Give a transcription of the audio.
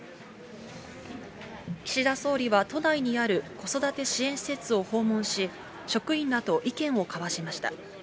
岸田総理は都内にある子育て支援施設を訪問し、職員らと意見を交わしました。